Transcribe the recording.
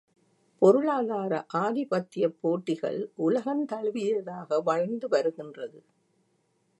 பொருளாதார ஆதிபத்தியப் போட்டிகள் உலகந் தழுவியதாக வளர்ந்து வருகின்றது.